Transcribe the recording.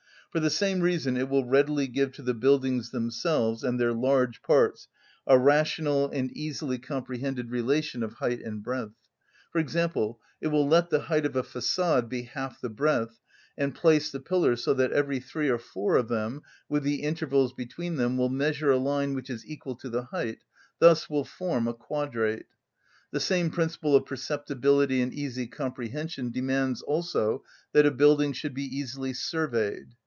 For the same reason it will readily give to the buildings themselves and their large parts a rational and easily comprehended relation of height and breadth; for example, it will let the height of a facade be half the breadth, and place the pillars so that every three or four of them, with the intervals between them, will measure a line which is equal to the height, thus will form a quadrate. The same principle of perceptibility and easy comprehension demands also that a building should be easily surveyed.